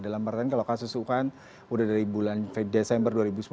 dalam artian kalau kasus wuhan sudah dari bulan desember dua ribu sembilan belas